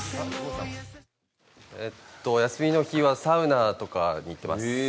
お休みの日はサウナとかに行ってます。